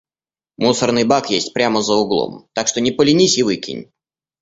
Мусорный бак есть прямо за углом, так что не поленись и выкинь.